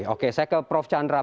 oke saya ke prof chandra